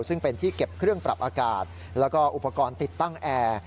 ซึ่งเป็นที่เก็บเครื่องปรับอากาศแล้วก็อุปกรณ์ติดตั้งแอร์